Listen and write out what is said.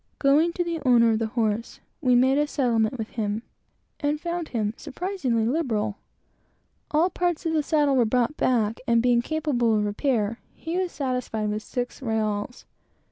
Going to the owner of the horse, we made a settlement with him, and found him surprisingly liberal. All parts of the saddle were brought back, and, being capable of repair, he was satisfied with six reáls.